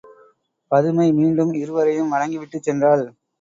பதுமை மீண்டும் இருவரையும் வணங்கி விட்டுச் சென்றாள்.